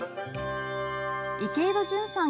池井戸潤さん